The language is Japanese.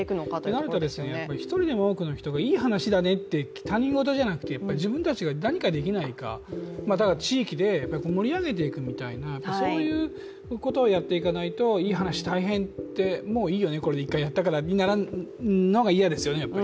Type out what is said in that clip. となると、一人でも多くの人がいい話だねって、他人事ではなくて自分たちが何かできないか地域で盛り上げていくみたいなそういうことをやっていかないといい話、大変、もういいよね、これ１回やったからってならないことが大事ですよね。